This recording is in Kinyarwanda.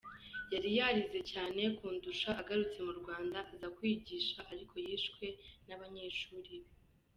Yari yarize cyane kundusha, agarutse mu Rwanda aza kwigisha ariko yishwe n’abanyeshuri be".